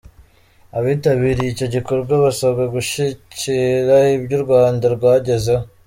Abitabiriye icyo gikorwa basabwe gushyikira ibyo u Rwanda rwagezeho.